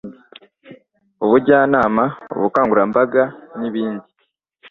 ubujyanama ubukangurambaga n ibindi